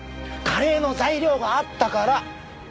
カレーの材料があったから。